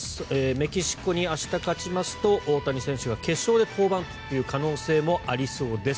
メキシコに明日勝ちますと大谷選手は決勝で登板という可能性もありそうです。